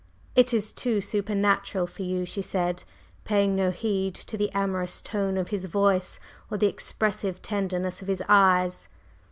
"It is too supernatural for you," she said, paying no heed to the amorous tone of his voice or the expressive tenderness of his eyes.